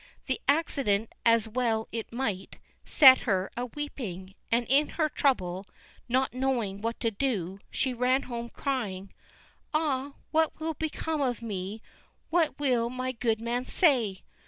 The accident, as well it might, set her a weeping, and in her trouble, not knowing what to do, she ran home crying: "Ah, what will become of me; what will my good man say?"